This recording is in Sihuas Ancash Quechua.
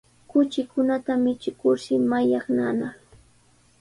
Kuchikunata michikurshi mallaqnanaq.